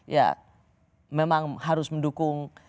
ya memang harus mendukung